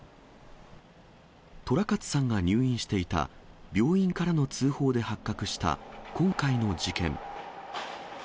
寅勝さんが入院していた病院からの通報で発覚した今回の事件。